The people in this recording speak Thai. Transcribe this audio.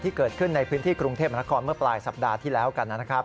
ที่เกิดขึ้นในพื้นที่กรุงเทพมนครเมื่อปลายสัปดาห์ที่แล้วกันนะครับ